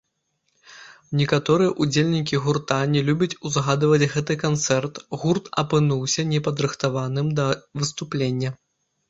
Некаторыя ўдзельнікі гурта не любяць узгадваць гэты канцэрт, гурт апынуўся не падрыхтаваным да выступлення.